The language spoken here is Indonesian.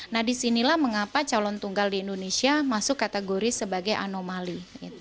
nah disinilah mengapa calon tunggal di indonesia masuk kategori sebagai anomali